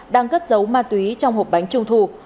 đang cất dấu ma túy trong hộp bánh trung thủ